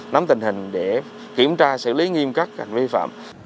nắm tình hình để kiểm tra xử lý nghiêm các hành vi vi phạm